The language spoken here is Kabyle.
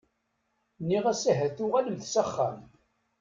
Nniɣ-as ahat tuɣalemt s axxam.